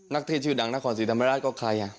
เทศชื่อดังนครศรีธรรมราชก็ใคร